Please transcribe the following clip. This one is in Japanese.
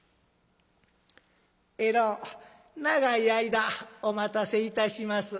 「えろう長い間お待たせいたします。